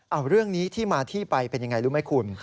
เอาเรื่องนี้ที่มาที่ไปเป็นยังไงรู้ไหมคุณ